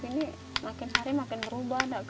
jadi kita nih nekat aja ke rumah sakit